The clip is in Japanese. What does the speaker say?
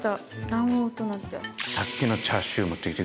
卵黄となんて。